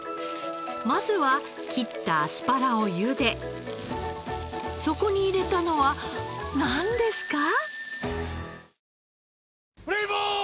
まずは切ったアスパラをゆでそこに入れたのはなんですか？